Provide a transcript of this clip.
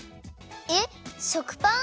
えっ食パン！？